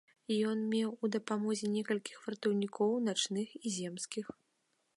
Ён меў ў дапамозе некалькіх вартаўнікоў начных і земскіх.